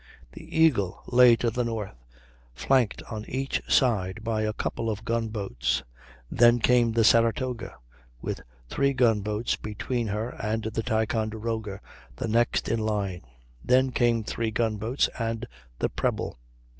The Eagle lay to the north, flanked on each side by a couple of gun boats; then came the Saratoga, with three gun boats between her and the Ticonderoga, the next in line; then came three gun boats and the Preble.